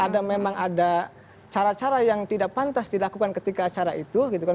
ada memang ada cara cara yang tidak pantas dilakukan ketika acara itu gitu kan